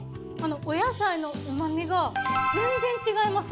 お野菜の旨味が全然違います。